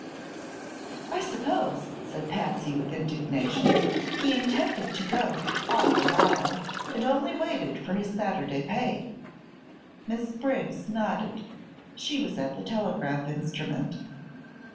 "I suppose," said Patsy, with indignation, "he intended to go, all the while, and only waited for his Saturday pay." Miss Briggs nodded. She was at the telegraph instrument.